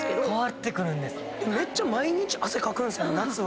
めっちゃ毎日汗かくけど夏は。